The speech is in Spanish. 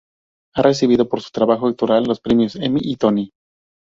Ha recibido por su trabajo actoral los premios Emmy y Tony.